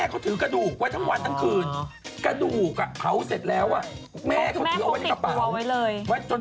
บูส์ไหน